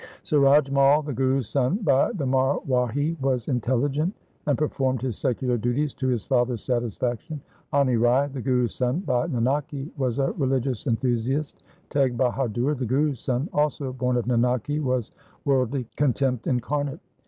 Suraj Mai, the Guru's son by the Marwahi, was intelligent and performed his secular duties to his father's satisfaction. Ani Rai, the Guru's son by Nanaki, was a religious enthusiast. Teg Bahadur, the Guru's son, also born of Nanaki, was worldly contempt incarnate.